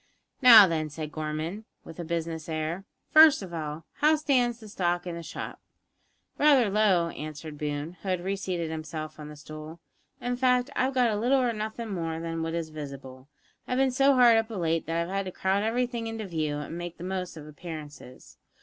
"Now, then," said Gorman, with a business air, "first of all, how stands the stock in the shop?" "Rather low," answered Boone, who had reseated himself on the stool; "in fact, I've got little or nothing more than what is visible. I've bin so hard up of late that I've had to crowd everything into view an' make the most of appearances.